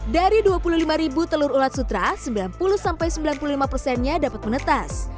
dari dua puluh lima ribu telur ulat sutra sembilan puluh sembilan puluh lima persennya dapat menetas